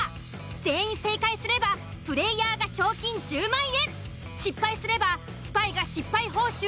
全員正解すればプレイヤーが賞金１０万円失敗すればスパイが失敗報酬